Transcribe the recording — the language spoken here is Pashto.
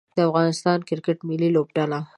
د افغانستان کرکټ ملي لوبډله